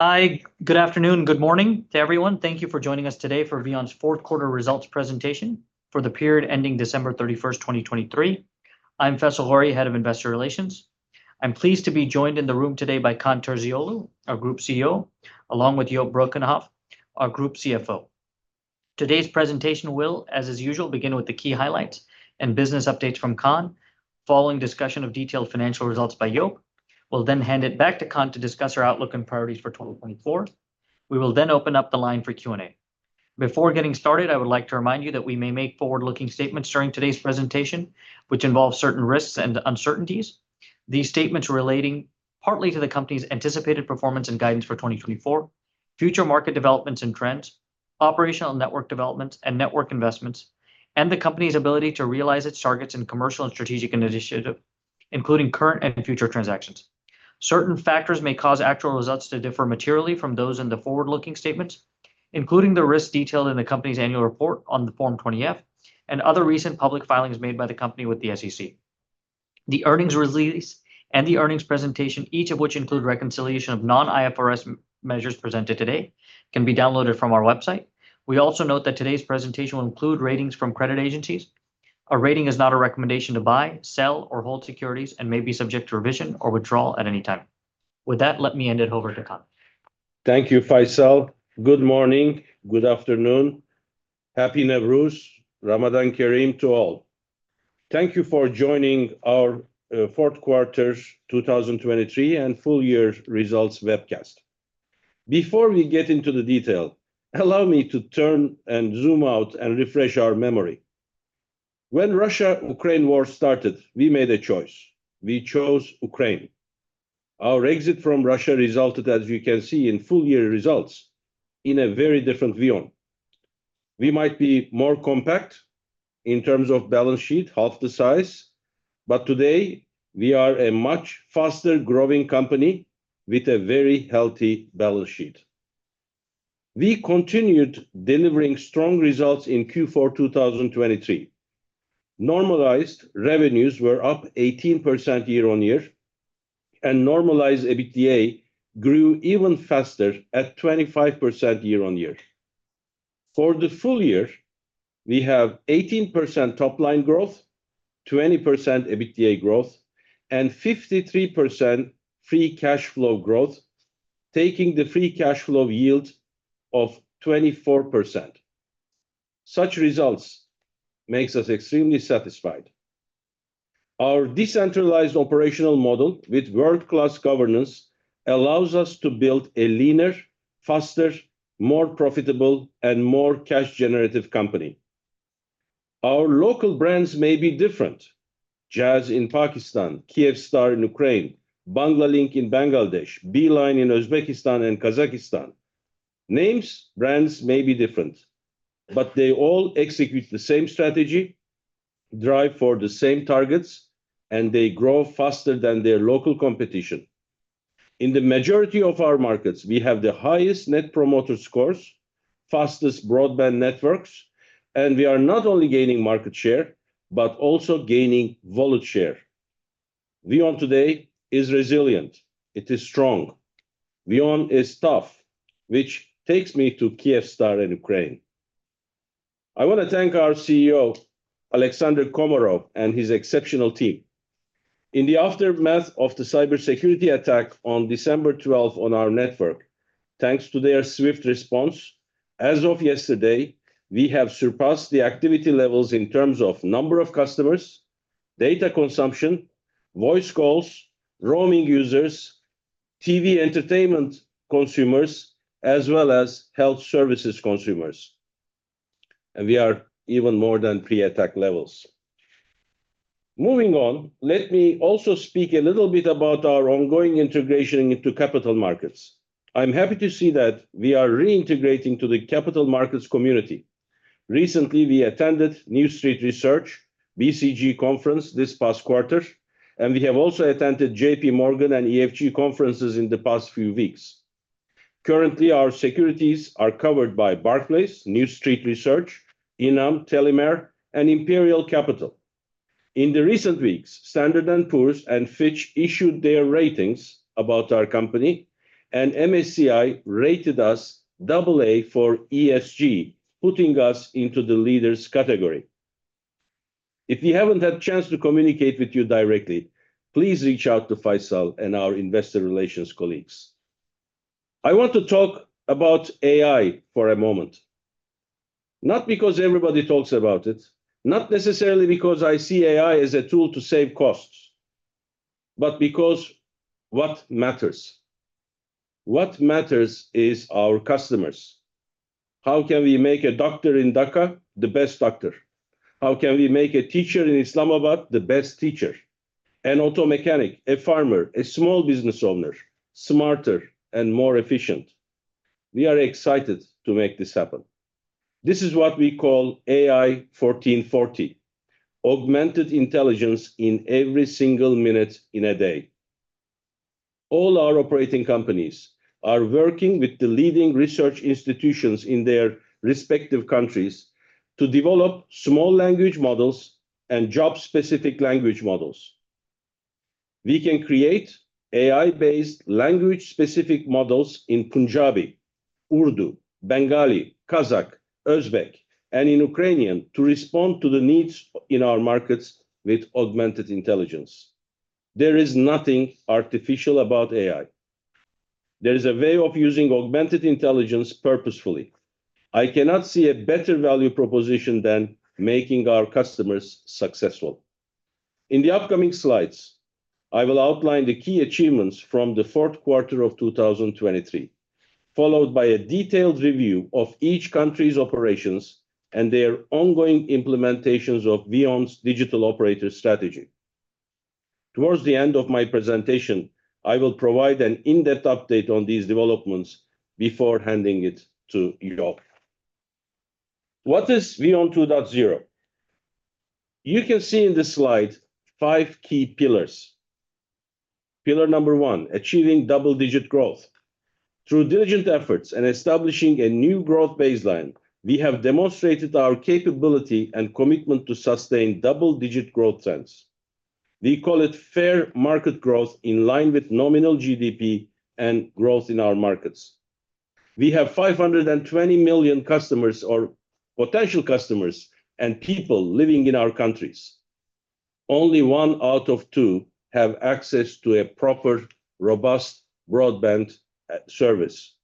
Hi, good afternoon, good morning to everyone. Thank you for joining us today for VEON's Fourth-Quarter Results Presentation for the period ending December 31st, 2023. I'm Faisal Ghori, Head of Investor Relations. I'm pleased to be joined in the room today by Kaan Terzioğlu, our Group CEO, along with Joop Brakenhoff, our Group CFO. Today's presentation will, as usual, begin with the key highlights and business updates from Kaan, following discussion of detailed financial results by Joop. We'll then hand it back to Kaan to discuss our outlook and priorities for 2024. We will then open up the line for Q&A. Before getting started, I would like to remind you that we may make forward-looking statements during today's presentation, which involve certain risks and uncertainties. These statements relate partly to the company's anticipated performance and guidance for 2024, future market developments and trends, operational network developments and network investments, and the company's ability to realize its targets in commercial and strategic initiatives, including current and future transactions. Certain factors may cause actual results to differ materially from those in the forward-looking statements, including the risks detailed in the company's annual report on Form 20-F and other recent public filings made by the company with the SEC. The earnings release and the earnings presentation, each of which includes reconciliation of non-IFRS measures presented today, can be downloaded from our website. We also note that today's presentation will include ratings from credit agencies. A rating is not a recommendation to buy, sell, or hold securities and may be subject to revision or withdrawal at any time. With that, let me hand it over to Kaan. Thank you, Faisal. Good morning, good afternoon, happy Nowruz, Ramadan Kareem to all. Thank you for joining our Fourth Quarter 2023 and Full Year Results Webcast. Before we get into the detail, allow me to turn and zoom out and refresh our memory. When the Russia-Ukraine war started, we made a choice. We chose Ukraine. Our exit from Russia resulted, as you can see in full-year results, in a very different VEON. We might be more compact in terms of balance sheet, half the size, but today we are a much faster, growing company with a very healthy balance sheet. We continued delivering strong results in Q4 2023. Normalized revenues were up 18% year-on-year, and normalized EBITDA grew even faster at 25% year-on-year. For the full year, we have 18% top-line growth, 20% EBITDA growth, and 53% free cash flow growth, taking the free cash flow yield of 24%. Such results make us extremely satisfied. Our decentralized operational model with world-class governance allows us to build a leaner, faster, more profitable, and more cash-generative company. Our local brands may be different: Jazz in Pakistan, Kyivstar in Ukraine, Banglalink in Bangladesh, Beeline in Uzbekistan and Kazakhstan. Names, brands may be different, but they all execute the same strategy, drive for the same targets, and they grow faster than their local competition. In the majority of our markets, we have the highest net promoter scores, fastest broadband networks, and we are not only gaining market share but also gaining wallet share. VEON today is resilient. It is strong. VEON is tough, which takes me to Kyivstar in Ukraine. I want to thank our CEO, Oleksandr Komarov, and his exceptional team. In the aftermath of the cybersecurity attack on December 12 on our network, thanks to their swift response, as of yesterday, we have surpassed the activity levels in terms of number of customers, data consumption, voice calls, roaming users, TV entertainment consumers, as well as health services consumers. We are even more than pre-attack levels. Moving on, let me also speak a little bit about our ongoing integration into capital markets. I'm happy to see that we are reintegrating to the capital markets community. Recently, we attended New Street Research BCG Conference this past quarter, and we have also attended JPMorgan and EFG conferences in the past few weeks. Currently, our securities are covered by Barclays, New Street Research, Enam, Tellimer, and Imperial Capital. In the recent weeks, Standard & Poor's and Fitch issued their ratings about our company, and MSCI rated us AA for ESG, putting us into the leaders' category. If we haven't had a chance to communicate with you directly, please reach out to Faisal and our investor relations colleagues. I want to talk about AI for a moment. Not because everybody talks about it, not necessarily because I see AI as a tool to save costs, but because what matters. What matters is our customers. How can we make a doctor in Dhaka the best doctor? How can we make a teacher in Islamabad the best teacher? An auto mechanic, a farmer, a small business owner smarter and more efficient. We are excited to make this happen. This is what we call AI 1440: augmented intelligence in every single minute in a day. All our operating companies are working with the leading research institutions in their respective countries to develop small language models and job-specific language models. We can create AI-based language-specific models in Punjabi, Urdu, Bengali, Kazakh, Uzbek, and in Ukrainian to respond to the needs in our markets with augmented intelligence. There is nothing artificial about AI. There is a way of using augmented intelligence purposefully. I cannot see a better value proposition than making our customers successful. In the upcoming slides, I will outline the key achievements from the fourth quarter of 2023, followed by a detailed review of each country's operations and their ongoing implementations of VEON's digital operator strategy. Towards the end of my presentation, I will provide an in-depth update on these developments before handing it to Joop. What is VEON 2.0? You can see in this slide five key pillars. Pillar number one: achieving double-digit growth. Through diligent efforts and establishing a new growth baseline, we have demonstrated our capability and commitment to sustain double-digit growth trends. We call it fair market growth in line with nominal GDP and growth in our markets. We have 520 million customers, or potential customers, and people living in our countries. Only one out of two have access to a proper, robust broadband service.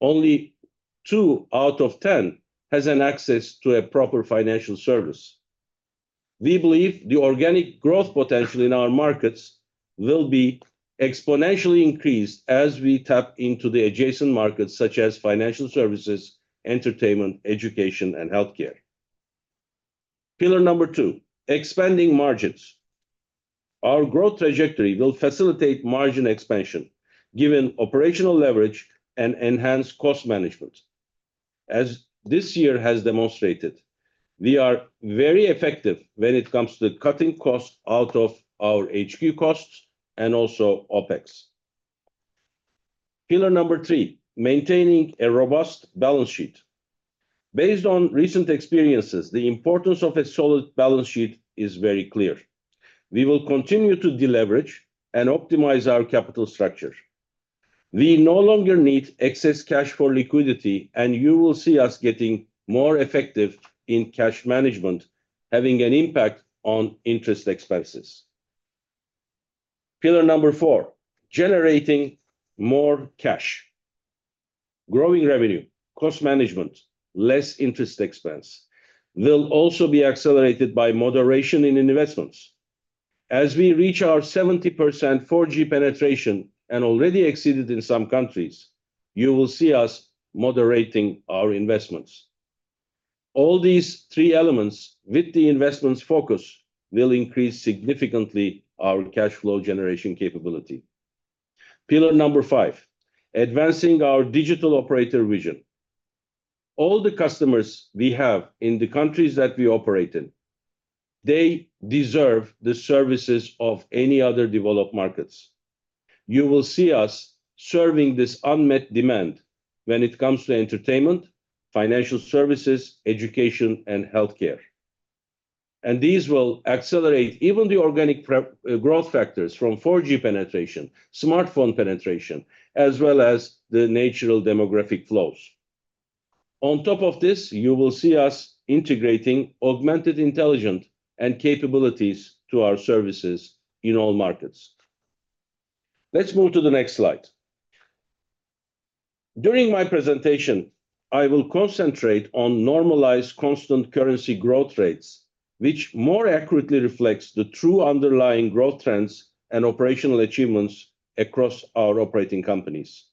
Only two out of ten have access to a proper financial service. We believe the organic growth potential in our markets will be exponentially increased as we tap into the adjacent markets such as financial services, entertainment, education, and healthcare. Pillar number two: expanding margins. Our growth trajectory will facilitate margin expansion given operational leverage and enhanced cost management. As this year has demonstrated, we are very effective when it comes to cutting costs out of our HQ costs and also OpEx. Pillar number three: maintaining a robust balance sheet. Based on recent experiences, the importance of a solid balance sheet is very clear. We will continue to deleverage and optimize our capital structure. We no longer need excess cash for liquidity, and you will see us getting more effective in cash management, having an impact on interest expenses. Pillar number four: generating more cash. Growing revenue, cost management, and less interest expense will also be accelerated by moderation in investments. As we reach our 70% 4G penetration, and already exceeded in some countries, you will see us moderating our investments. All these three elements, with the investments focus, will increase significantly our cash flow generation capability. Pillar number five: advancing our digital operator vision. All the customers we have in the countries that we operate in, they deserve the services of any other developed markets. You will see us serving this unmet demand when it comes to entertainment, financial services, education, and healthcare. And these will accelerate even the organic growth factors from 4G penetration, smartphone penetration, as well as the natural demographic flows. On top of this, you will see us integrating augmented intelligence and capabilities to our services in all markets. Let's move to the next slide. During my presentation, I will concentrate on normalized constant currency growth rates, which more accurately reflects the true underlying growth trends and operational achievements across our operating companies.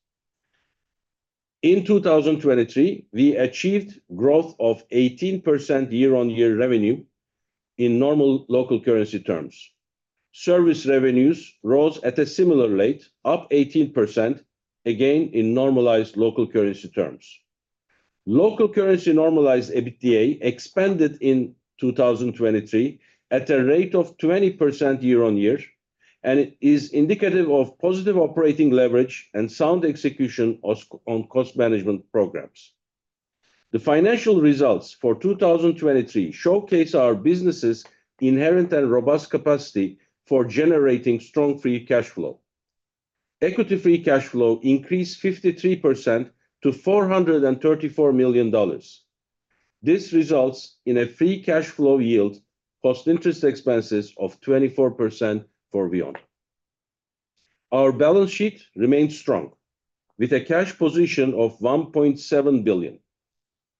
In 2023, we achieved growth of 18% year-on-year revenue in normal local currency terms. Service revenues rose at a similar rate, up 18%, again in normalized local currency terms. Local currency normalized EBITDA expanded in 2023 at a rate of 20% year-on-year, and it is indicative of positive operating leverage and sound execution on cost management programs. The financial results for 2023 showcase our business's inherent and robust capacity for generating strong free cash flow. Equity free cash flow increased 53% to $434 million. This results in a free cash flow yield, post-interest expenses, of 24% for VEON. Our balance sheet remains strong, with a cash position of $1.7 billion.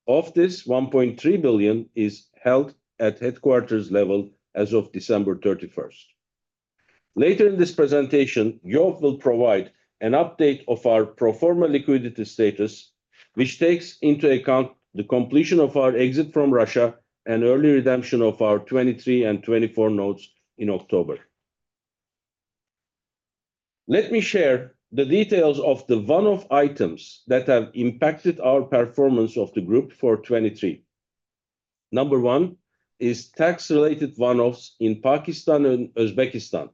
Of this, $1.3 billion is held at headquarters level as of December 31st. Later in this presentation, Joop will provide an update of our pro forma liquidity status, which takes into account the completion of our exit from Russia and early redemption of our 2023 and 2024 notes in October. Let me share the details of the one-off items that have impacted our performance of the group for 2023. Number one is tax-related one-offs in Pakistan and Uzbekistan.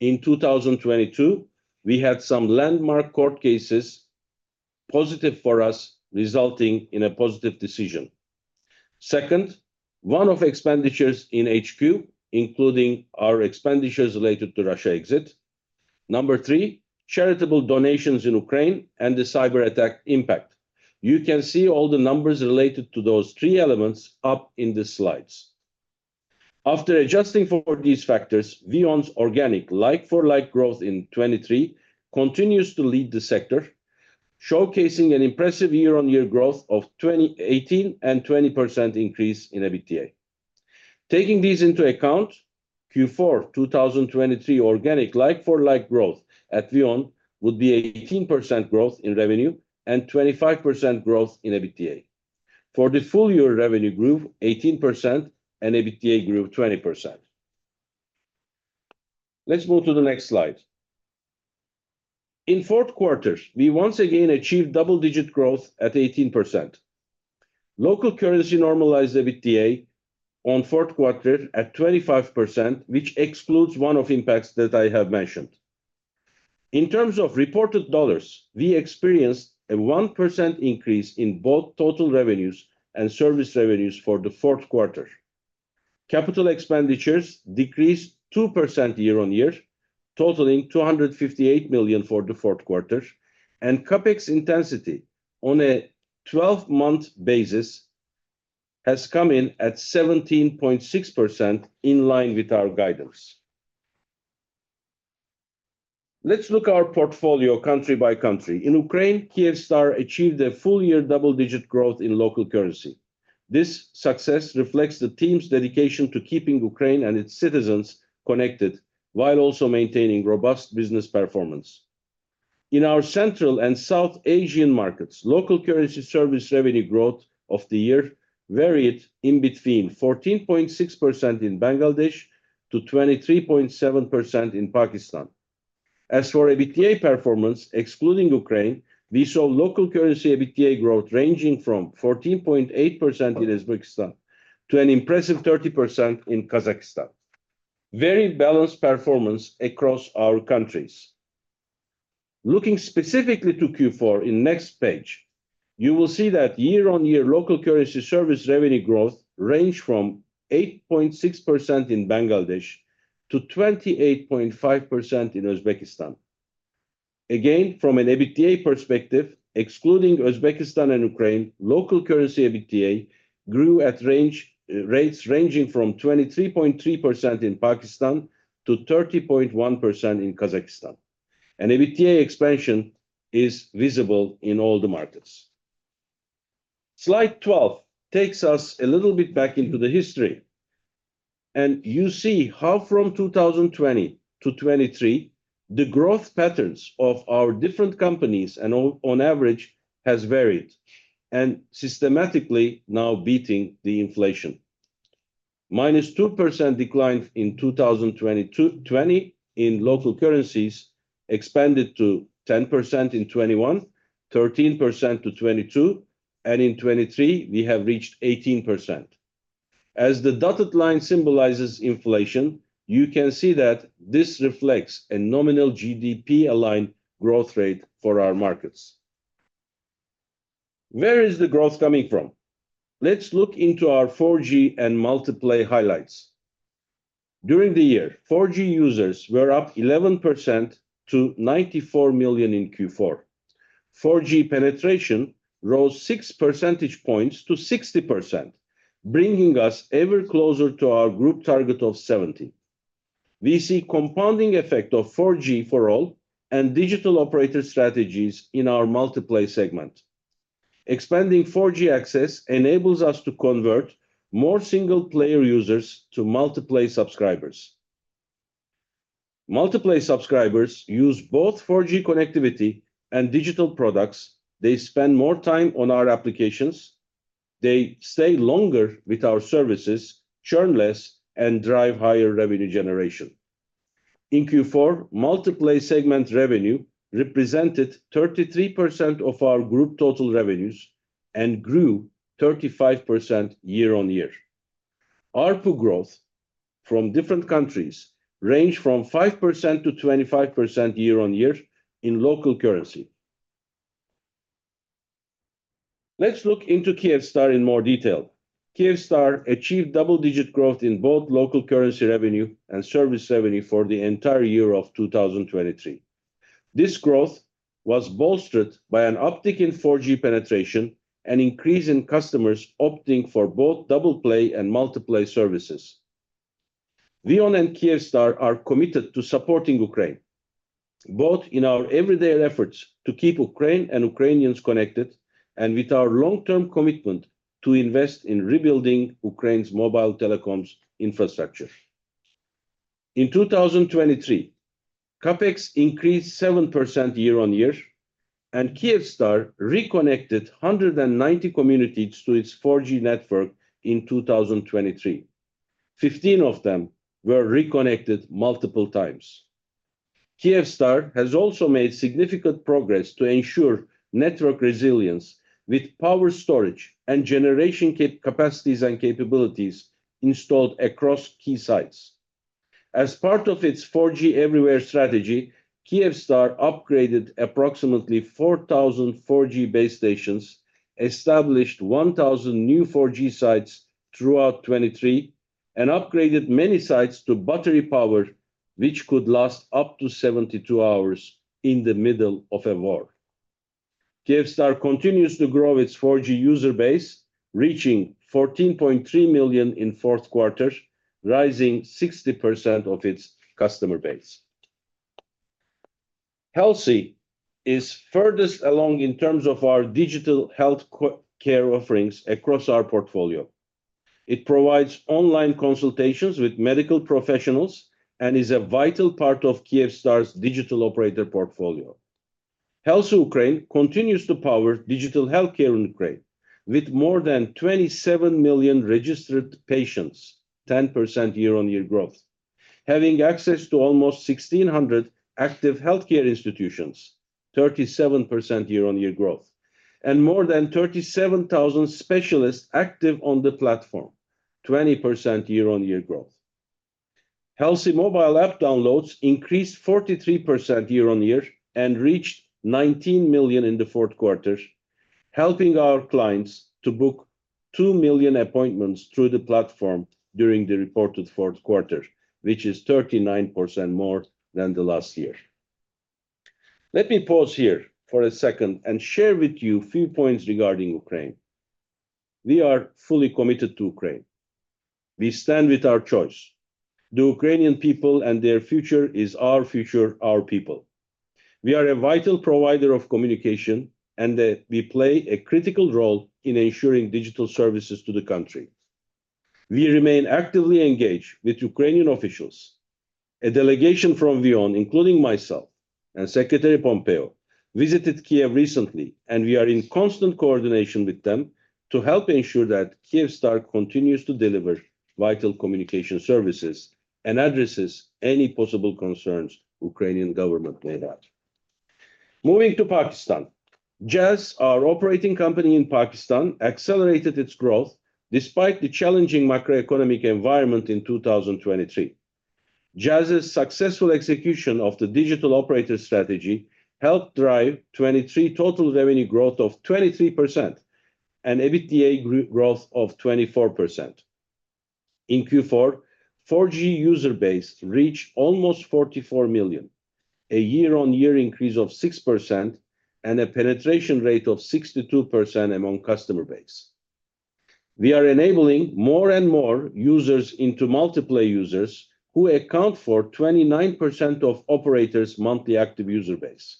In 2022, we had some landmark court cases positive for us, resulting in a positive decision. Second, one-off expenditures in HQ, including our expenditures related to Russia exit. Number three, charitable donations in Ukraine and the cyber attack impact. You can see all the numbers related to those three elements up in the slides. After adjusting for these factors, VEON's organic like-for-like growth in 2023 continues to lead the sector, showcasing an impressive year-on-year growth of 20% and 20% increase in EBITDA. Taking these into account, Q4 2023 organic like-for-like growth at VEON would be 18% growth in revenue and 25% growth in EBITDA. For the full-year, revenue grew 18% and EBITDA grew 20%. Let's move to the next slide. In fourth quarter, we once again achieved double-digit growth at 18%. Local currency normalized EBITDA on fourth quarter at 25%, which excludes one-off impacts that I have mentioned. In terms of reported dollars, we experienced a 1% increase in both total revenues and service revenues for the fourth quarter. Capital expenditures decreased 2% year-on-year, totaling $258 million for the fourth quarter, and CapEx intensity on a 12-month basis has come in at 17.6% in line with our guidance. Let's look at our portfolio country by country. In Ukraine, Kyivstar achieved a full-year double-digit growth in local currency. This success reflects the team's dedication to keeping Ukraine and its citizens connected while also maintaining robust business performance. In our Central and South Asian markets, local currency service revenue growth of the year varied in between 14.6% in Bangladesh and 23.7% in Pakistan. As for EBITDA performance, excluding Ukraine, we saw local currency EBITDA growth ranging from 14.8% in Uzbekistan to an impressive 30% in Kazakhstan. Very balanced performance across our countries. Looking specifically to Q4 in the next page, you will see that year-on-year local currency service revenue growth ranged from 8.6% in Bangladesh to 28.5% in Uzbekistan. Again, from an EBITDA perspective, excluding Uzbekistan and Ukraine, local currency EBITDA grew at rates ranging from 23.3% in Pakistan to 30.1% in Kazakhstan. And EBITDA expansion is visible in all the markets. Slide 12 takes us a little bit back into the history, and you see how from 2020 to 2023 the growth patterns of our different companies and, on average, have varied and systematically now beaten the inflation. -2% decline in 2022 in local currencies expanded to 10% in 2021, 13% in 2022, and in 2023 we have reached 18%. As the dotted line symbolizes inflation, you can see that this reflects a nominal GDP-aligned growth rate for our markets. Where is the growth coming from? Let's look into our 4G and multiplay highlights. During the year, 4G users were up 11% to 94 million in Q4. 4G penetration rose 6 percentage points to 60%, bringing us ever closer to our group target of 70%. We see a compounding effect of 4G for all and digital operator strategies in our multiplay segment. Expanding 4G access enables us to convert more single-player users to multiplay subscribers. Multiplay subscribers use both 4G connectivity and digital products. They spend more time on our applications. They stay longer with our services, churn less, and drive higher revenue generation. In Q4, multiplay segment revenue represented 33% of our group total revenues and grew 35% year-on-year. ARPU growth from different countries ranged from 5%-25% year-on-year in local currency. Let's look into Kyivstar in more detail. Kyivstar achieved double-digit growth in both local currency revenue and service revenue for the entire year of 2023. This growth was bolstered by an uptick in 4G penetration and an increase in customers opting for both double-play and multiplay services. VEON and Kyivstar are committed to supporting Ukraine, both in our everyday efforts to keep Ukraine and Ukrainians connected and with our long-term commitment to invest in rebuilding Ukraine's mobile telecom infrastructure. In 2023, CapEx increased 7% year-on-year, and Kyivstar reconnected 190 communities to its 4G network in 2023. 15 of them were reconnected multiple times. Kyivstar has also made significant progress to ensure network resilience with power storage and generation capacities and capabilities installed across key sites. As part of its 4G everywhere strategy, Kyivstar upgraded approximately 4,000 4G base stations, established 1,000 new 4G sites throughout 2023, and upgraded many sites to battery power, which could last up to 72 hours in the middle of a war. Kyivstar continues to grow its 4G user base, reaching 14.3 million in fourth quarter, rising 60% of its customer base. Helsi is furthest along in terms of our digital healthcare offerings across our portfolio. It provides online consultations with medical professionals and is a vital part of Kyivstar's digital operator portfolio. Helsi Ukraine continues to power digital healthcare in Ukraine with more than 27 million registered patients (10% year-on-year growth), having access to almost 1,600 active healthcare institutions (37% year-on-year growth), and more than 37,000 specialists active on the platform (20% year-on-year growth). Helsi mobile app downloads increased 43% year-on-year and reached 19 million in the fourth quarter, helping our clients to book 2 million appointments through the platform during the reported fourth quarter, which is 39% more than the last year. Let me pause here for a second and share with you a few points regarding Ukraine. We are fully committed to Ukraine. We stand with our choice. The Ukrainian people and their future is our future, our people. We are a vital provider of communication, and we play a critical role in ensuring digital services to the country. We remain actively engaged with Ukrainian officials. A delegation from VEON, including myself and Secretary Pompeo, visited Kyiv recently, and we are in constant coordination with them to help ensure that Kyivstar continues to deliver vital communication services and addresses any possible concerns the Ukrainian government may have. Moving to Pakistan, Jazz, our operating company in Pakistan, accelerated its growth despite the challenging macroeconomic environment in 2023. Jazz's successful execution of the digital operator strategy helped drive 2023 total revenue growth of 23% and EBITDA growth of 24%. In Q4, 4G user base reached almost 44 million, a year-on-year increase of 6%, and a penetration rate of 62% among customer base. We are enabling more and more users into multiplay users who account for 29% of operators' monthly active user base.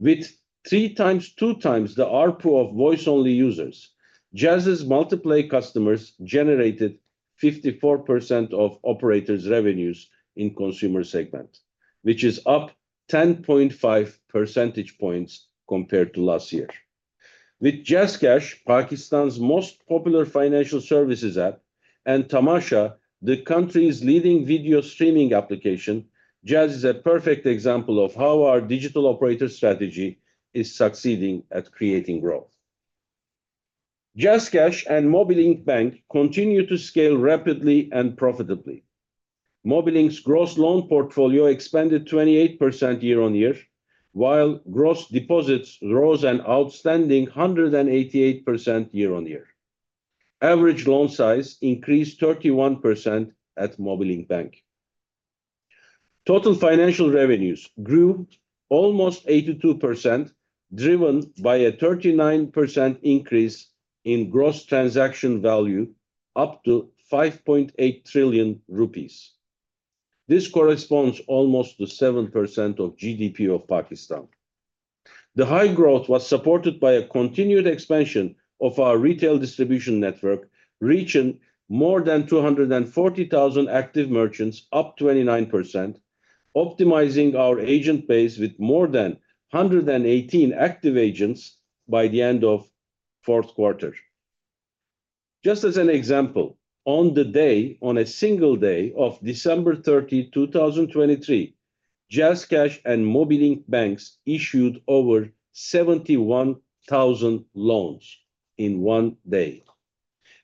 With three times two times the ARPU of voice-only users, Jazz's multiplay customers generated 54% of operators' revenues in the consumer segment, which is up 10.5 percentage points compared to last year. With JazzCash, Pakistan's most popular financial services app, and Tamasha, the country's leading video streaming application, Jazz is a perfect example of how our digital operator strategy is succeeding at creating growth. JazzCash and Mobilink Bank continue to scale rapidly and profitably. Mobilink's gross loan portfolio expanded 28% year-on-year, while gross deposits rose an outstanding 188% year-on-year. Average loan size increased 31% at Mobilink Bank. Total financial revenues grew almost 82%, driven by a 39% increase in gross transaction value up to PKR 5.8 trillion. This corresponds to almost 7% of GDP of Pakistan. The high growth was supported by a continued expansion of our retail distribution network, reaching more than 240,000 active merchants (up 29%), optimizing our agent base with more than 118 active agents by the end of fourth quarter. Just as an example, on the day, on a single day of December 30, 2023, JazzCash and Mobilink Banks issued over 71,000 loans in one day.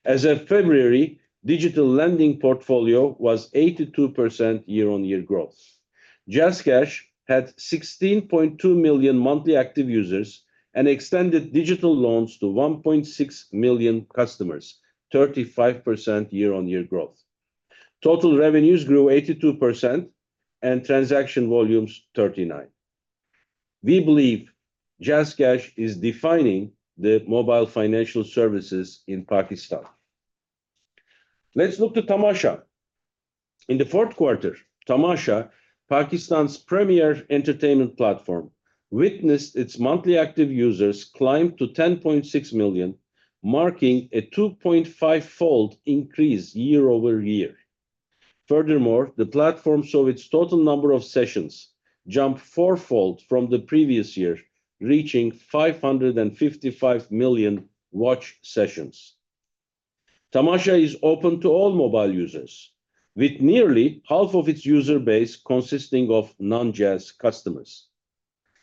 As of February, digital lending portfolio was 82% year-on-year growth. JazzCash had 16.2 million monthly active users and extended digital loans to 1.6 million customers (35% year-on-year growth). Total revenues grew 82% and transaction volumes 39%. We believe JazzCash is defining the mobile financial services in Pakistan. Let's look to Tamasha. In the fourth quarter, Tamasha, Pakistan's premier entertainment platform, witnessed its monthly active users climb to 10.6 million, marking a 2.5-fold increase year over year. Furthermore, the platform saw its total number of sessions jump fourfold from the previous year, reaching 555 million watch sessions. Tamasha is open to all mobile users, with nearly half of its user base consisting of non-Jazz customers.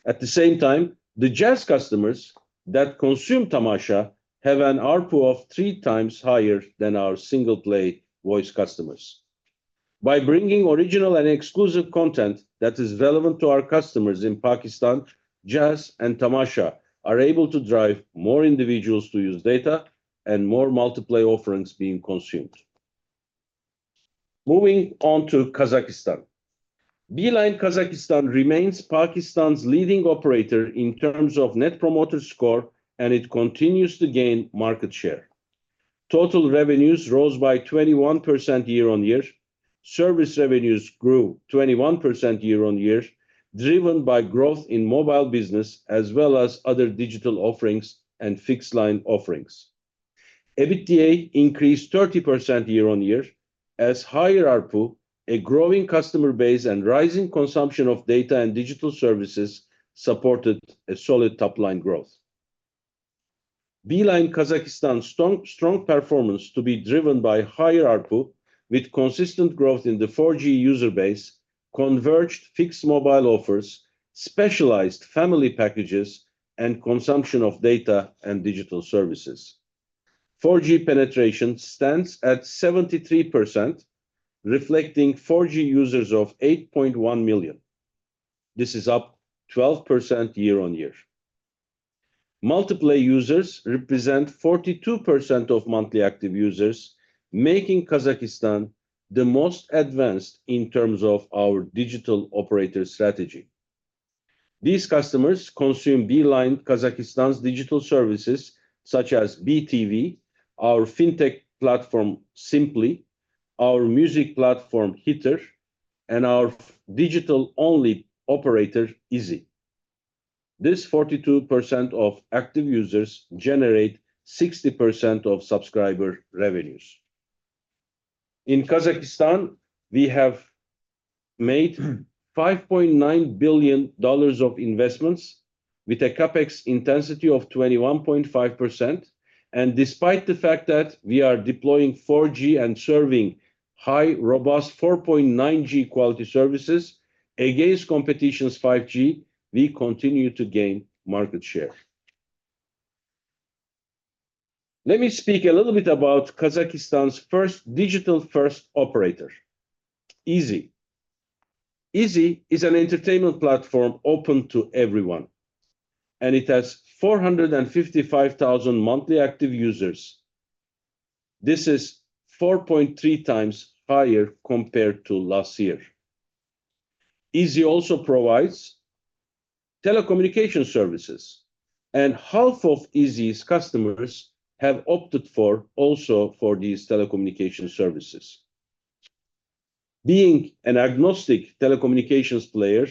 At the same time, the Jazz customers that consume Tamasha have an ARPU of three times higher than our single-play voice customers. By bringing original and exclusive content that is relevant to our customers in Pakistan, Jazz and Tamasha are able to drive more individuals to use data, and more multiplay offerings are being consumed. Moving on to Kazakhstan, Beeline Kazakhstan remains Kazakhstan's leading operator in terms of net promoter score, and it continues to gain market share. Total revenues rose by 21% year-on-year. Service revenues grew 21% year-on-year, driven by growth in mobile business as well as other digital offerings and fixed-line offerings. EBITDA increased 30% year-on-year. As higher ARPU, a growing customer base, and rising consumption of data and digital services supported a solid top-line growth. Beeline Kazakhstan's strong performance is to be driven by higher ARPU, with consistent growth in the 4G user base, converged fixed mobile offers, specialized family packages, and consumption of data and digital services. 4G penetration stands at 73%, reflecting 4G users of 8.1 million. This is up 12% year-over-year. Multiplay users represent 42% of monthly active users, making Kazakhstan the most advanced in terms of our digital operator strategy. These customers consume Beeline Kazakhstan's digital services such as BTV, our fintech platform Simply, our music platform Hitter, and our digital-only operator IZI. This 42% of active users generates 60% of subscriber revenues. In Kazakhstan, we have made $5.9 billion of investments with a CapEx intensity of 21.5%, and despite the fact that we are deploying 4G and serving high, robust 4.9G quality services against competition's 5G, we continue to gain market share. Let me speak a little bit about Kazakhstan's first digital-first operator, IZI. IZI is an entertainment platform open to everyone, and it has 455,000 monthly active users. This is 4.3x higher compared to last year. IZI also provides telecommunication services, and half of IZI's customers have opted for also for these telecommunication services. Being an agnostic telecommunications player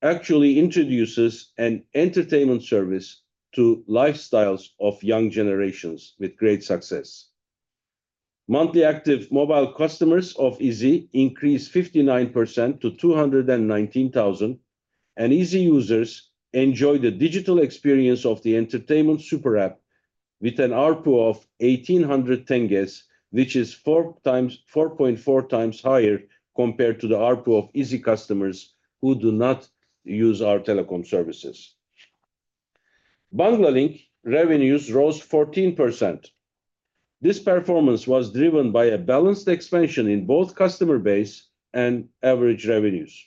actually introduces an entertainment service to lifestyles of young generations with great success. Monthly active mobile customers of IZI increased 59% to 219,000, and IZI users enjoy the digital experience of the entertainment super app with an ARPU of KZT 1,800, which is 4.4 times higher compared to the ARPU of IZI customers who do not use our telecom services. Banglalink revenues rose 14%. This performance was driven by a balanced expansion in both customer base and average revenues.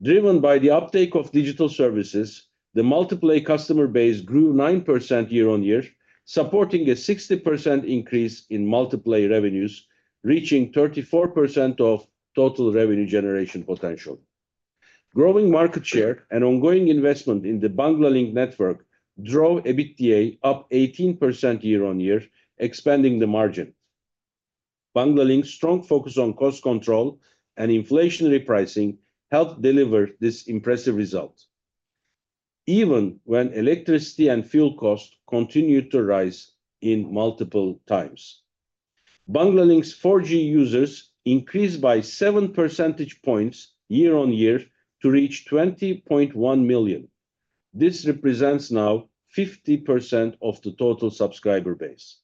Driven by the uptake of digital services, the multiplay customer base grew 9% year-on-year, supporting a 60% increase in multiplay revenues, reaching 34% of total revenue generation potential. Growing market share and ongoing investment in the Banglalink network drove EBITDA up 18% year-over-year, expanding the margin. Banglalink's strong focus on cost control and inflation repricing helped deliver this impressive result, even when electricity and fuel costs continued to rise multiple times. Banglalink's 4G users increased by 7 percentage points year-over-year to reach 20.1 million. This represents now 50% of the total subscriber base.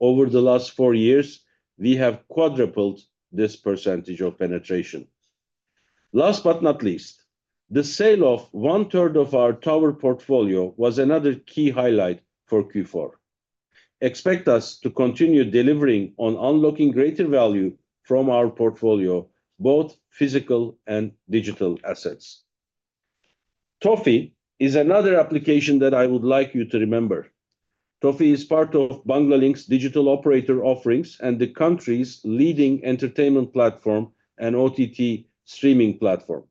Over the last four years, we have quadrupled this percentage of penetration. Last but not least, the sale of one-third of our tower portfolio was another key highlight for Q4. Expect us to continue delivering on unlocking greater value from our portfolio, both physical and digital assets. Toffee is another application that I would like you to remember. Toffee is part of Banglalink's digital operator offerings and the country's leading entertainment platform and OTT streaming platform.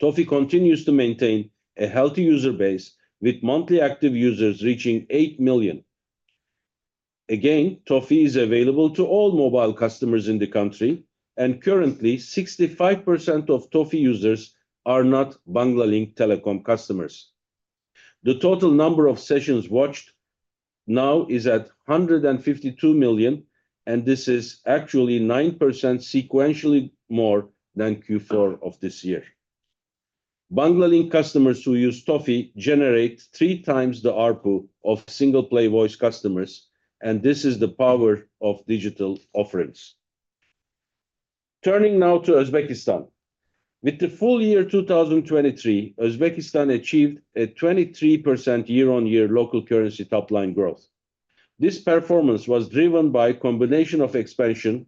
Toffee continues to maintain a healthy user base with monthly active users reaching 8 million. Again, Toffee is available to all mobile customers in the country, and currently, 65% of Toffee users are not Banglalink customers. The total number of sessions watched now is at 152 million, and this is actually 9% sequentially more than Q4 of this year. Banglalink customers who use Toffee generate three times the ARPU of single-play voice customers, and this is the power of digital offerings. Turning now to Uzbekistan. With the full year 2023, Uzbekistan achieved a 23% year-on-year local currency top-line growth. This performance was driven by a combination of expansion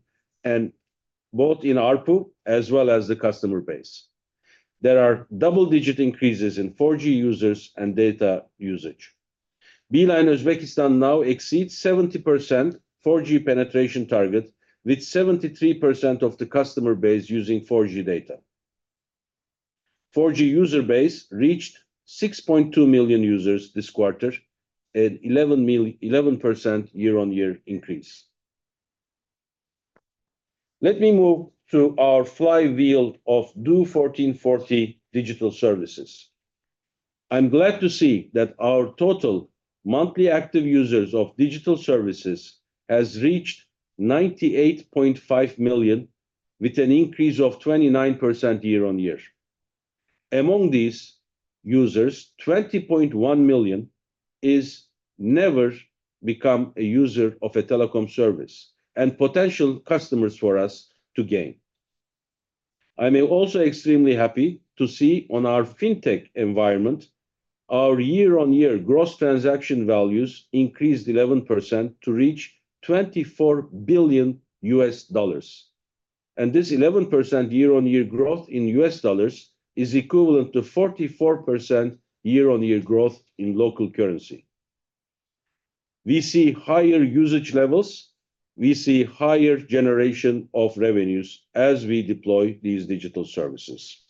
both in ARPU as well as the customer base. There are double-digit increases in 4G users and data usage. Beeline Uzbekistan now exceeds the 70% 4G penetration target, with 73% of the customer base using 4G data. The 4G user base reached 6.2 million users this quarter, an 11% year-on-year increase. Let me move to our flywheel of DO1440 digital services. I'm glad to see that our total monthly active users of digital services has reached 98.5 million, with an increase of 29% year-on-year. Among these users, 20.1 million have never become a user of a telecom service and potential customers for us to gain. I am also extremely happy to see that in our fintech environment, our year-on-year gross transaction values increased 11% to reach $24 billion. This 11% year-on-year growth in US dollars is equivalent to 44% year-on-year growth in local currency. We see higher usage levels. We see higher generation of revenues as we deploy these digital services.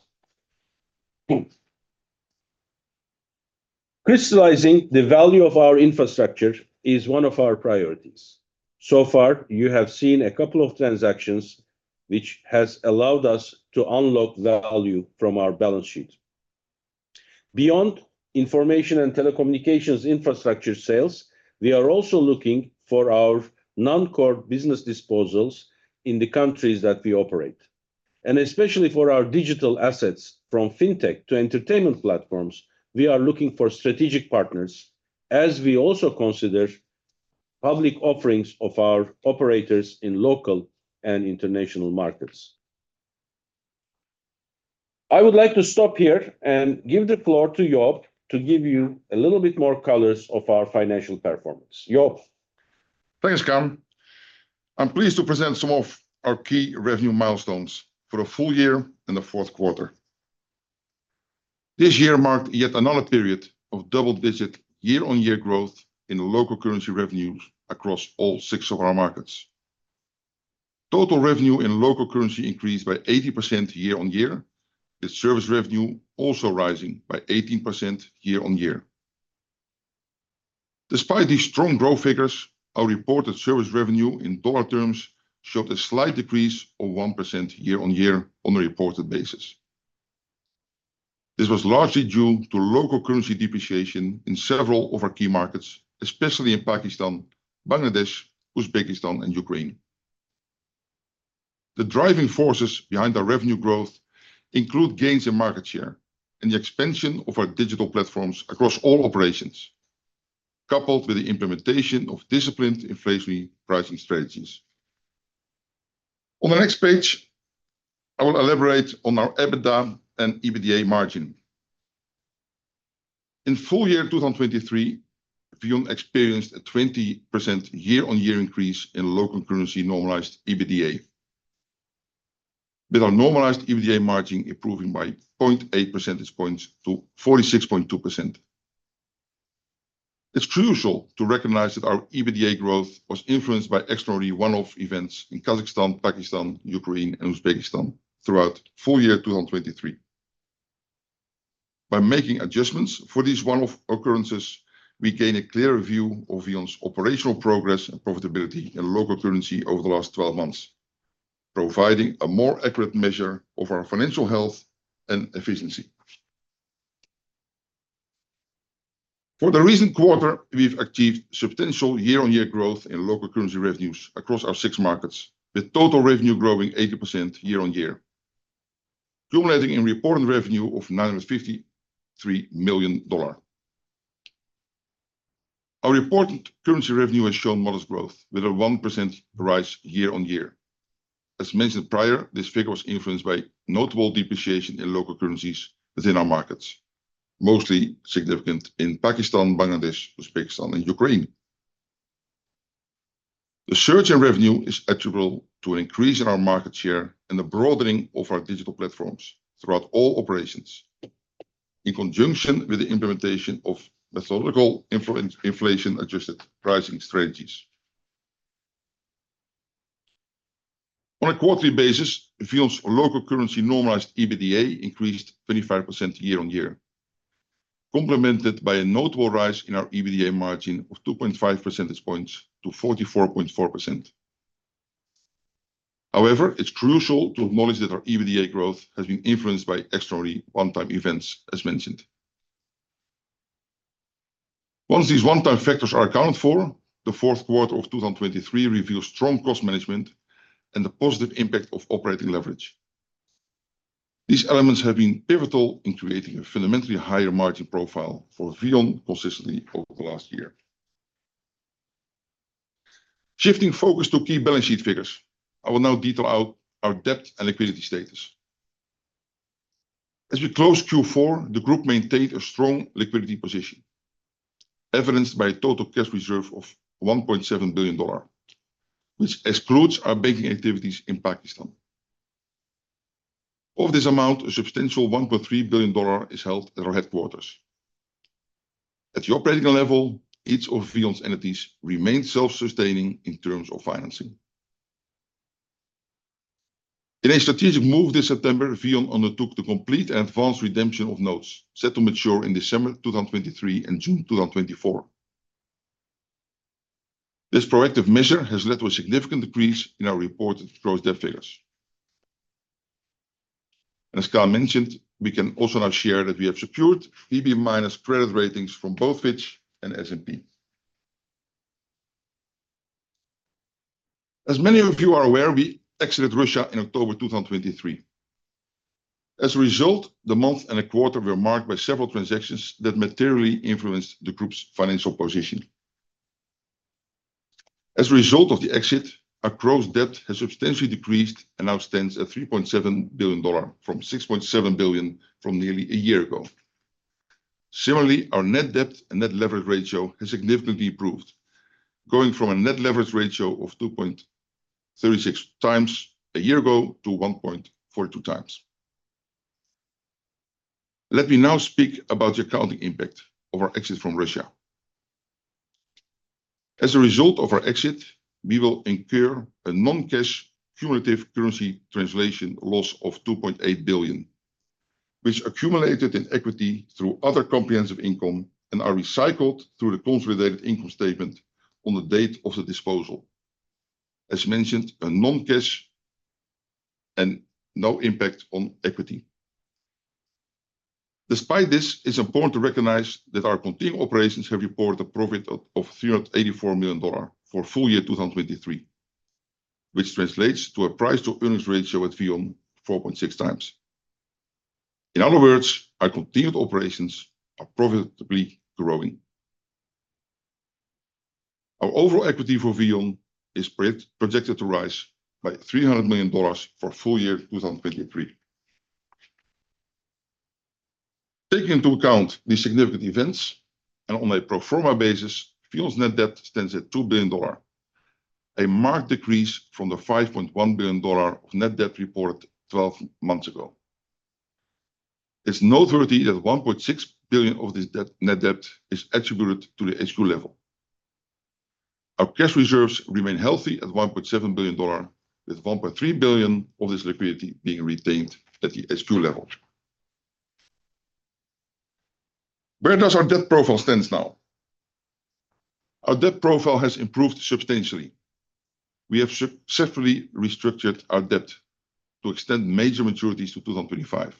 Crystallizing the value of our infrastructure is one of our priorities. So far, you have seen a couple of transactions which have allowed us to unlock value from our balance sheet. Beyond information and telecommunications infrastructure sales, we are also looking for our non-core business disposals in the countries that we operate. Especially for our digital assets from fintech to entertainment platforms, we are looking for strategic partners as we also consider public offerings of our operators in local and international markets. I would like to stop here and give the floor to Joop to give you a little bit more color of our financial performance. Joop. Thanks, Kaan. I'm pleased to present some of our key revenue milestones for the full year and the fourth quarter. This year marked yet another period of double-digit year-on-year growth in local currency revenues across all six of our markets. Total revenue in local currency increased by 80% year-on-year, with service revenue also rising by 18% year-on-year. Despite these strong growth figures, our reported service revenue in dollar terms showed a slight decrease of 1% year-on-year on a reported basis. This was largely due to local currency depreciation in several of our key markets, especially in Pakistan, Bangladesh, Uzbekistan, and Ukraine. The driving forces behind our revenue growth include gains in market share and the expansion of our digital platforms across all operations, coupled with the implementation of disciplined inflationary pricing strategies. On the next page, I will elaborate on our EBITDA and EBITDA margin. In full year 2023, VEON experienced a 20% year-on-year increase in local currency normalized EBITDA, with our normalized EBITDA margin improving by 0.8 percentage points to 46.2%. It's crucial to recognize that our EBITDA growth was influenced by external one-off events in Kazakhstan, Pakistan, Ukraine, and Uzbekistan throughout full year 2023. By making adjustments for these one-off occurrences, we gain a clearer view of VEON's operational progress and profitability in local currency over the last 12 months, providing a more accurate measure of our financial health and efficiency. For the recent quarter, we've achieved substantial year-on-year growth in local currency revenues across our six markets, with total revenue growing 80% year-on-year, culminating in reported revenue of $953 million. Our reported currency revenue has shown modest growth, with a 1% rise year-on-year. As mentioned prior, this figure was influenced by notable depreciation in local currencies within our markets, mostly significant in Pakistan, Bangladesh, Uzbekistan, and Ukraine. The surge in revenue is attributable to an increase in our market share and the broadening of our digital platforms throughout all operations, in conjunction with the implementation of methodical inflation-adjusted pricing strategies. On a quarterly basis, VEON's local currency normalized EBITDA increased 25% year-on-year, complemented by a notable rise in our EBITDA margin of 2.5 percentage points to 44.4%. However, it's crucial to acknowledge that our EBITDA growth has been influenced by externally one-time events, as mentioned. Once these one-time factors are accounted for, the fourth quarter of 2023 reveals strong cost management and the positive impact of operating leverage. These elements have been pivotal in creating a fundamentally higher margin profile for VEON consistently over the last year. Shifting focus to key balance sheet figures, I will now detail our debt and liquidity status. As we close Q4, the group maintained a strong liquidity position, evidenced by a total cash reserve of $1.7 billion, which excludes our banking activities in Pakistan. Of this amount, a substantial $1.3 billion is held at our headquarters. At the operational level, each of VEON's entities remained self-sustaining in terms of financing. In a strategic move this September, VEON undertook the complete and advanced redemption of notes set to mature in December 2023 and June 2024. This proactive measure has led to a significant decrease in our reported gross debt figures. As Kaan mentioned, we can also now share that we have secured BBB minus credit ratings from both Fitch and S&P. As many of you are aware, we exited Russia in October 2023. As a result, the month and a quarter were marked by several transactions that materially influenced the group's financial position. As a result of the exit, our gross debt has substantially decreased and now stands at $3.7 billion from $6.7 billion from nearly a year ago. Similarly, our net debt and net leverage ratio has significantly improved, going from a net leverage ratio of 2.36x a year ago to 1.42x. Let me now speak about the accounting impact of our exit from Russia. As a result of our exit, we will incur a non-cash cumulative currency translation loss of $2.8 billion, which accumulated in equity through other comprehensive income and are recycled through the consolidated income statement on the date of the disposal. As mentioned, a non-cash and no impact on equity. Despite this, it's important to recognize that our continuing operations have reported a profit of $384 million for full year 2023, which translates to a price-to-earnings ratio at VEON of 4.6x. In other words, our continued operations are profitably growing. Our overall equity for VEON is projected to rise by $300 million for full year 2023. Taking into account these significant events and on a pro forma basis, VEON's net debt stands at $2 billion, a marked decrease from the $5.1 billion of net debt reported 12 months ago. It's noteworthy that $1.6 billion of this net debt is attributed to the HQ level. Our cash reserves remain healthy at $1.7 billion, with $1.3 billion of this liquidity being retained at the HQ level. Where does our debt profile stand now? Our debt profile has improved substantially. We have successfully restructured our debt to extend major maturities to 2025,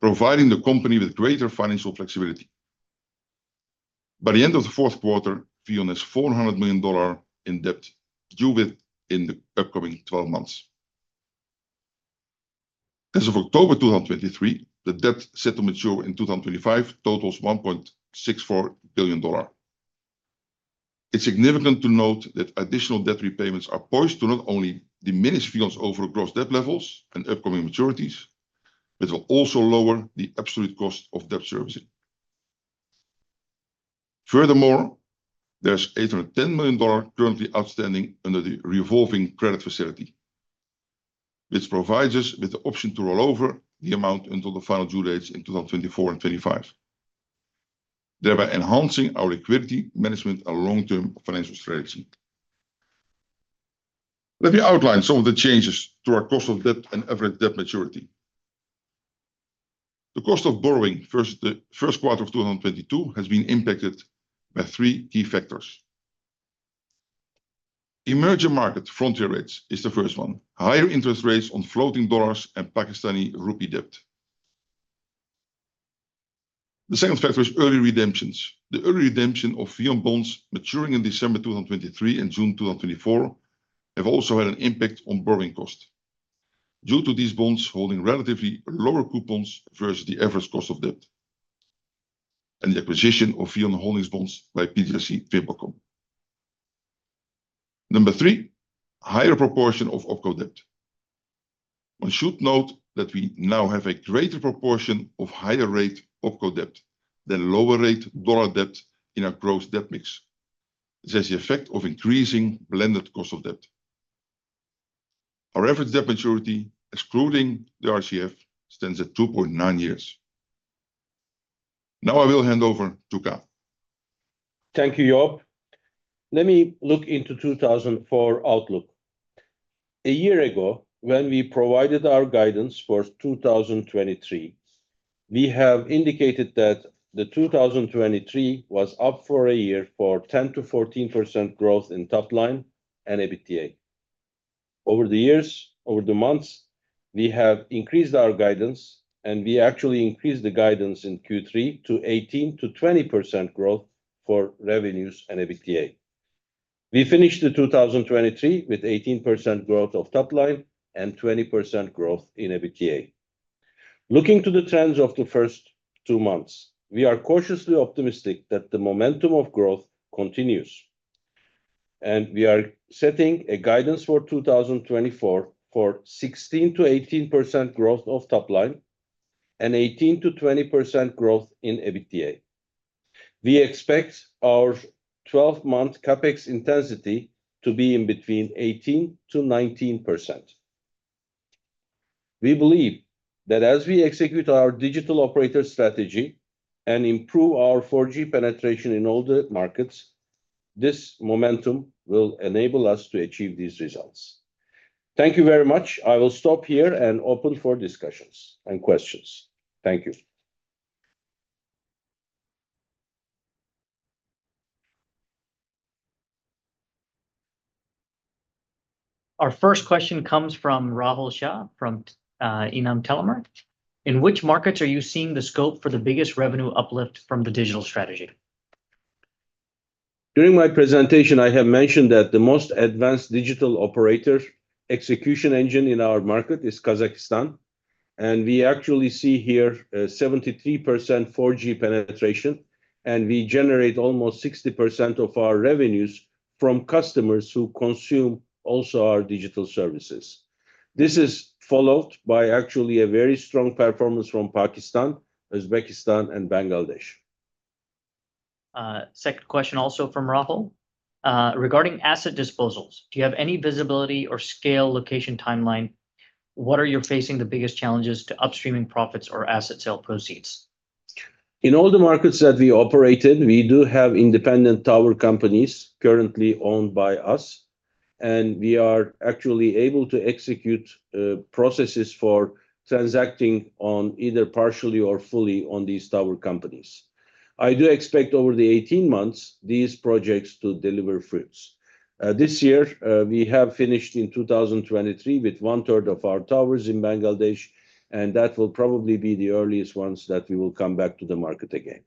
providing the company with greater financial flexibility. By the end of the fourth quarter, VEON has $400 million in debt due within the upcoming 12 months. As of October 2023, the debt set to mature in 2025 totals $1.64 billion. It's significant to note that additional debt repayments are poised to not only diminish VEON's overall gross debt levels and upcoming maturities, but will also lower the absolute cost of debt servicing. Furthermore, there's $810 million currently outstanding under the revolving credit facility, which provides us with the option to roll over the amount until the final due dates in 2024 and 2025, thereby enhancing our liquidity management and long-term financial strategy. Let me outline some of the changes to our cost of debt and average debt maturity. The cost of borrowing versus the first quarter of 2022 has been impacted by three key factors. Emerging market frontier rates is the first one, higher interest rates on floating dollars and Pakistani rupee debt. The second factor is early redemptions. The early redemption of VEON bonds maturing in December 2023 and June 2024 have also had an impact on borrowing cost due to these bonds holding relatively lower coupons versus the average cost of debt and the acquisition of VEON holdings bonds by PJSC VimpelCom. Number three, higher proportion of OPCO debt. One should note that we now have a greater proportion of higher rate OPCO debt than lower rate dollar debt in our gross debt mix. This has the effect of increasing blended cost of debt. Our average debt maturity, excluding the RCF, stands at 2.9 years. Now I will hand over to Kaan. Thank you, Joop. Let me look into 2024 outlook. A year ago, when we provided our guidance for 2023, we have indicated that 2023 was up for a year for 10%-14% growth in top line and EBITDA. Over the years, over the months, we have increased our guidance, and we actually increased the guidance in Q3 to 18%-20% growth for revenues and EBITDA. We finished 2023 with 18% growth of top line and 20% growth in EBITDA. Looking to the trends of the first two months, we are cautiously optimistic that the momentum of growth continues, and we are setting a guidance for 2024 for 16%-18% growth of top line and 18%-20% growth in EBITDA. We expect our 12-month CapEx intensity to be in between 18%-19%. We believe that as we execute our digital operator strategy and improve our 4G penetration in all the markets, this momentum will enable us to achieve these results. Thank you very much. I will stop here and open for discussions and questions. Thank you. Our first question comes from Rahul Shah from Inam Tellimer. In which markets are you seeing the scope for the biggest revenue uplift from the digital strategy? During my presentation, I have mentioned that the most advanced digital operator execution engine in our market is Kazakhstan, and we actually see here 73% 4G penetration, and we generate almost 60% of our revenues from customers who consume also our digital services. This is followed by actually a very strong performance from Pakistan, Uzbekistan, and Bangladesh. Second question also from Rahul. Regarding asset disposals, do you have any visibility or sale location timeline? What are you facing the biggest challenges to upstreaming profits or asset sale proceeds? In all the markets that we operated, we do have independent tower companies currently owned by us, and we are actually able to execute processes for transacting either partially or fully on these tower companies. I do expect over the 18 months these projects to deliver fruits. This year, we have finished in 2023 with 1/3 of our towers in Bangladesh, and that will probably be the earliest ones that we will come back to the market again.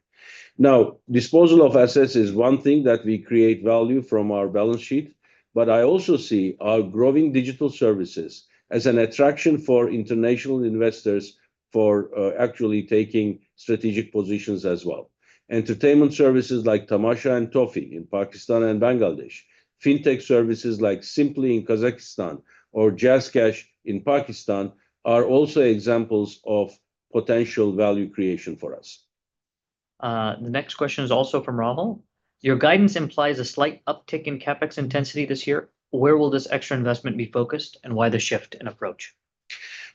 Now, disposal of assets is one thing that we create value from our balance sheet, but I also see our growing digital services as an attraction for international investors for actually taking strategic positions as well. Entertainment services like Tamasha and Toffee in Pakistan and Bangladesh, fintech services like Simply in Kazakhstan, or Jazz Cash in Pakistan are also examples of potential value creation for us. The next question is also from Rahul. Your guidance implies a slight uptick in CapEx intensity this year. Where will this extra investment be focused, and why the shift in approach?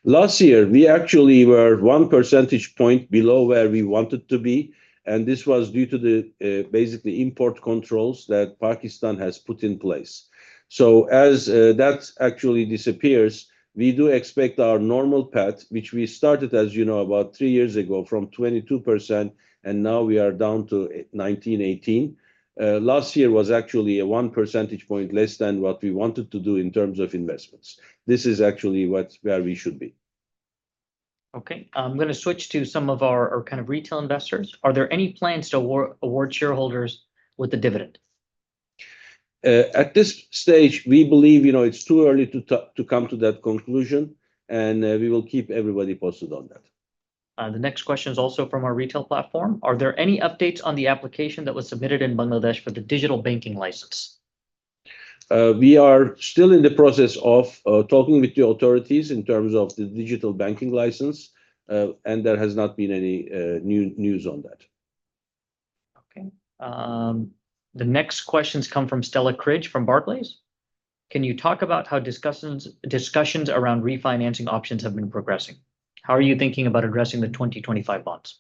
Last year, we actually were one percentage point below where we wanted to be, and this was due to basically import controls that Pakistan has put in place. So as that actually disappears, we do expect our normal path, which we started, as you know, about three years ago from 22%, and now we are down to 19%-18%. Last year was actually one percentage point less than what we wanted to do in terms of investments. This is actually where we should be. Okay. I'm going to switch to some of our kind of retail investors. Are there any plans to award shareholders with the dividend? At this stage, we believe it's too early to come to that conclusion, and we will keep everybody posted on that. The next question is also from our retail platform. Are there any updates on the application that was submitted in Bangladesh for the digital banking license? We are still in the process of talking with the authorities in terms of the digital banking license, and there has not been any news on that. Okay. The next questions come from Stella Cridge from Barclays. Can you talk about how discussions around refinancing options have been progressing? How are you thinking about addressing the 2025 bonds?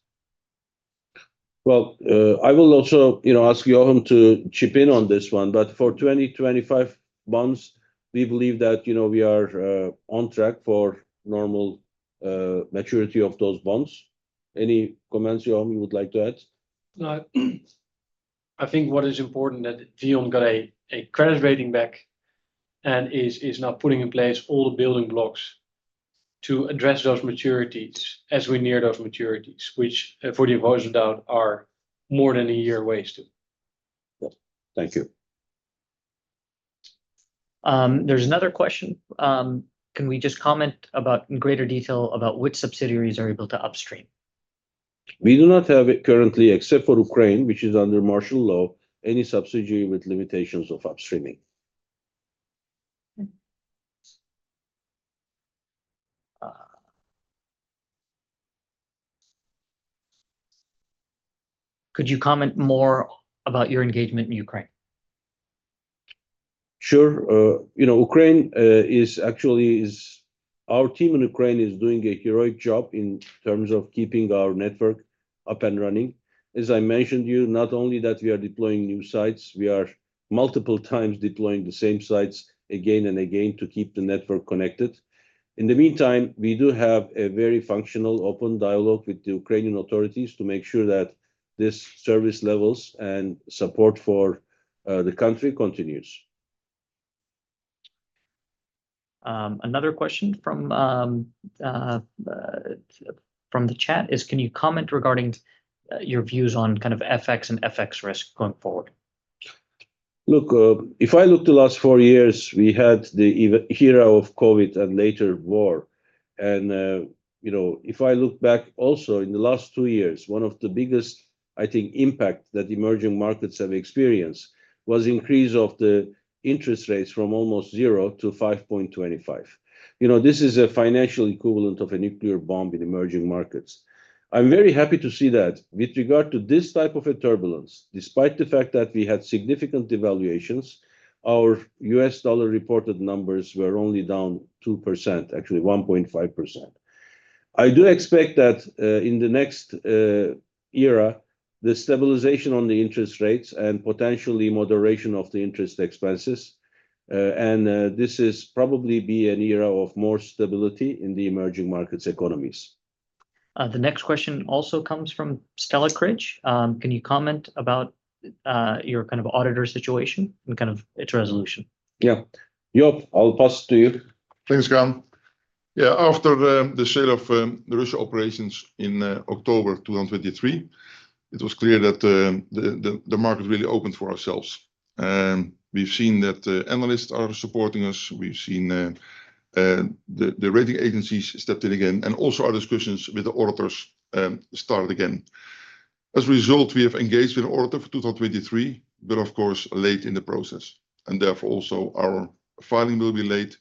Well, I will also ask Joop to chip in on this one, but for 2025 bonds, we believe that we are on track for normal maturity of those bonds. Any comments, Joop, you would like to add? I think what is important is that VEON got a credit rating back and is now putting in place all the building blocks to address those maturities as we near those maturities, which for the opco debt are more than a year away still. Thank you. There's another question. Can we just comment in greater detail about which subsidiaries are able to upstream? We do not have it currently, except for Ukraine, which is under martial law, any subsidiary with limitations of upstreaming. Could you comment more about your engagement in Ukraine? Sure. Ukraine is actually our team in Ukraine is doing a heroic job in terms of keeping our network up and running. As I mentioned to you, not only that we are deploying new sites, we are multiple times deploying the same sites again and again to keep the network connected. In the meantime, we do have a very functional open dialogue with the Ukrainian authorities to make sure that these service levels and support for the country continues. Another question from the chat is, can you comment regarding your views on kind of FX and FX risk going forward? Look, if I look to the last four years, we had the era of COVID and later war. If I look back also in the last two years, one of the biggest, I think, impacts that emerging markets have experienced was the increase of the interest rates from almost zero to 5.25. This is a financial equivalent of a nuclear bomb in emerging markets. I'm very happy to see that. With regard to this type of turbulence, despite the fact that we had significant devaluations, our U.S. dollar reported numbers were only down 2%, actually 1.5%. I do expect that in the next era, the stabilization on the interest rates and potentially moderation of the interest expenses, and this is probably be an era of more stability in the emerging markets economies. The next question also comes from Stella Cridge. Can you comment about your kind of auditor situation and kind of its resolution? Yeah. Joop, I'll pass it to you. Thanks, Kaan. Yeah, after the sale of the Russia operations in October 2023, it was clear that the market really opened for ourselves. We've seen that analysts are supporting us. We've seen the rating agencies stepped in again, and also our discussions with the auditors started again. As a result, we have engaged with an auditor for 2023, but of course, late in the process, and therefore also our filing will be late,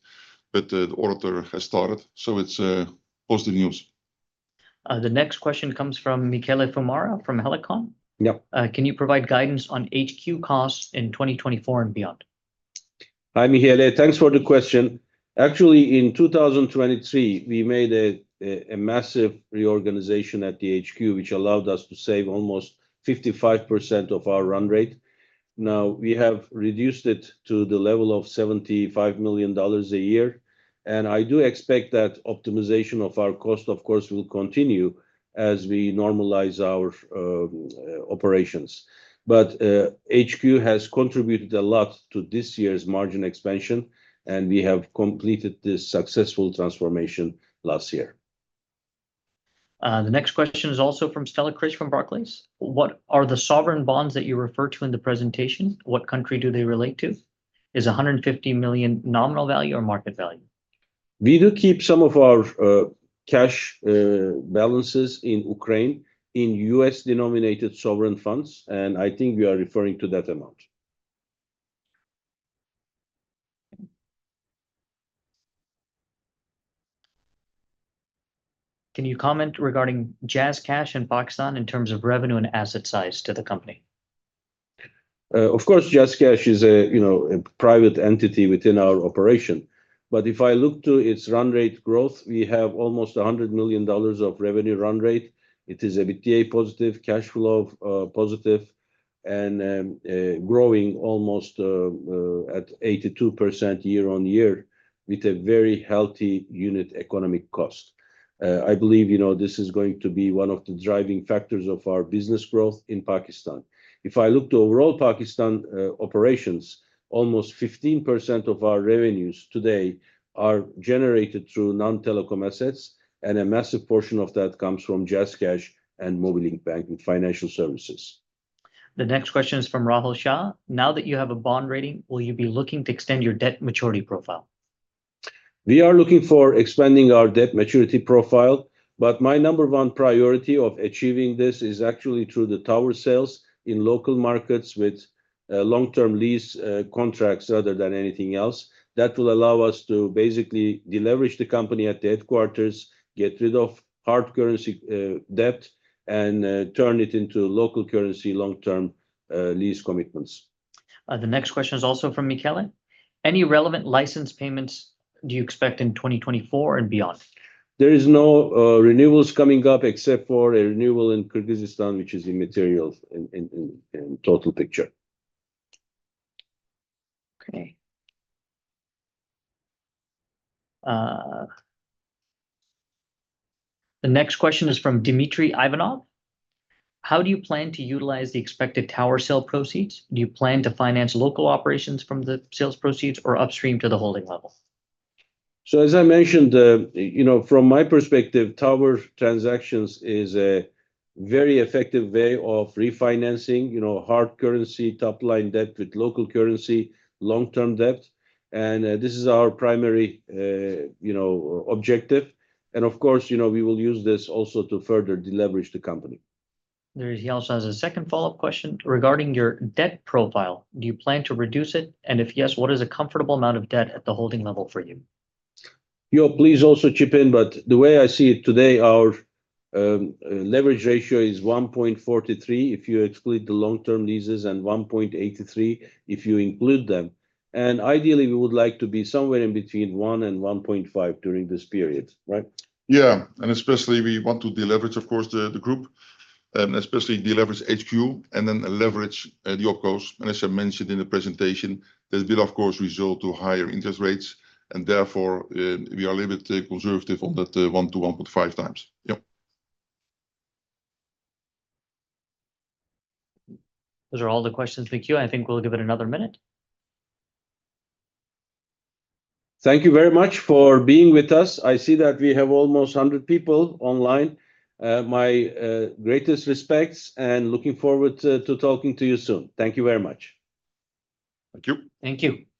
but the auditor has started. So it's positive news. The next question comes from Michele Fiumara from Helikon. Can you provide guidance on HQ costs in 2024 and beyond? Hi, Michele. Thanks for the question. Actually, in 2023, we made a massive reorganization at the HQ, which allowed us to save almost 55% of our run rate. Now, we have reduced it to the level of $75 million a year, and I do expect that optimization of our cost, of course, will continue as we normalize our operations. But HQ has contributed a lot to this year's margin expansion, and we have completed this successful transformation last year. The next question is also from Stella Cridge from Barclays. What are the sovereign bonds that you refer to in the presentation? What country do they relate to? Is $150 million nominal value or market value? We do keep some of our cash balances in Ukraine in U.S.-denominated sovereign funds, and I think we are referring to that amount. Can you comment regarding JazzCash in Pakistan in terms of revenue and asset size to the company? Of course, JazzCash is a private entity within our operation. But if I look to its run rate growth, we have almost $100 million of revenue run rate. It is EBITDA positive, cash flow positive, and growing almost at 82% year-over-year with a very healthy unit economic cost. I believe this is going to be one of the driving factors of our business growth in Pakistan. If I look to overall Pakistan operations, almost 15% of our revenues today are generated through non-telecom assets, and a massive portion of that comes from JazzCash and Mobilink Bank with financial services. The next question is from Rahul Shah. Now that you have a bond rating, will you be looking to extend your debt maturity profile? We are looking for expanding our debt maturity profile, but my number one priority of achieving this is actually through the tower sales in local markets with long-term lease contracts rather than anything else. That will allow us to basically deleverage the company at the headquarters, get rid of hard currency debt, and turn it into local currency long-term lease commitments. The next question is also from Michele. Any relevant license payments do you expect in 2024 and beyond? There are no renewals coming up except for a renewal in Kyrgyzstan, which is immaterial in total picture. Okay. The next question is from Dmitri Ivanov. How do you plan to utilize the expected tower sale proceeds? Do you plan to finance local operations from the sales proceeds or upstream to the holding level? So as I mentioned, from my perspective, tower transactions is a very effective way of refinancing hard currency top-line debt with local currency long-term debt, and this is our primary objective. And of course, we will use this also to further deleverage the company. He also has a second follow-up question. Regarding your debt profile, do you plan to reduce it? And if yes, what is a comfortable amount of debt at the holding level for you? Yeah, please also chip in. But the way I see it today, our leverage ratio is 1.43 if you exclude the long-term leases and 1.83 if you include them. And ideally, we would like to be somewhere in between 1-1.5 during this period, right? Yeah. And especially we want to deleverage, of course, the group, especially deleverage HQ and then leverage the OpCos. And as I mentioned in the presentation, this will, of course, result in higher interest rates, and therefore we are a little bit conservative on that 1-1.5x. Yeah. Those are all the questions. Thank you. I think we'll give it another minute. Thank you very much for being with us. I see that we have almost 100 people online. My greatest respects and looking forward to talking to you soon. Thank you very much. Thank you. Thank you.